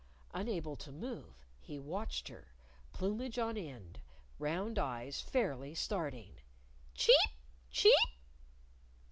Unable to move, he watched her, plumage on end, round eyes fairly starting. "_Cheep! Cheep!